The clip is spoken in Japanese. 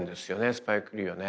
スパイク・リーはね